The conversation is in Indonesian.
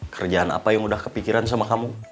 kerjaan apa yang udah kepikiran sama kamu